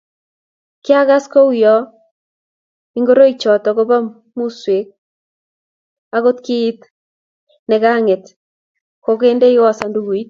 Kiakas kouyo ingoroichotok kobo musweek ako kiit nekang'et kokendeo sandukut.